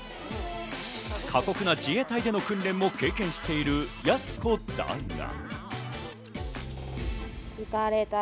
過酷な自衛隊での訓練を経験しているやす子だが。